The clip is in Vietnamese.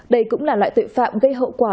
đây cũng là loại tội phạm gây hậu quả